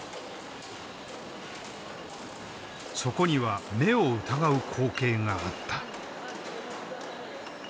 そこには目を疑う光景があった。